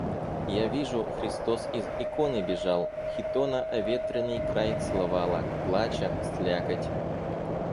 Я вижу, Христос из иконы бежал, хитона оветренный край целовала, плача, слякоть.